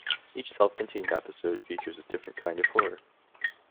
Each self-contained episode features a different kind of horror.